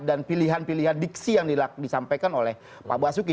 dan pilihan pilihan diksi yang disampaikan oleh pak basuki